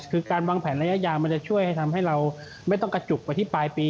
คือการวางแผนระยะยาวมันจะช่วยให้ทำให้เราไม่ต้องกระจุกไปที่ปลายปี